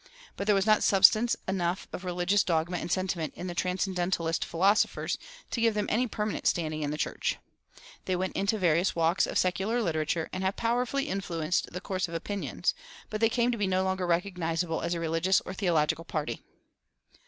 But there was not substance enough of religious dogma and sentiment in the transcendentalist philosophers to give them any permanent standing in the church. They went into various walks of secular literature, and have powerfully influenced the course of opinions; but they came to be no longer recognizable as a religious or theological party.